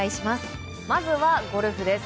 まずはゴルフです。